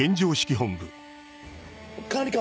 管理官！